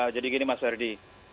jadi gini mas ferdi